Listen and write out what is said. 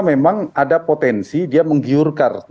memang ada potensi dia menggiurkan